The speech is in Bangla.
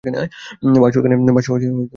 বাসু, এখানে আয়।